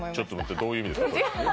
どういう意味ですか？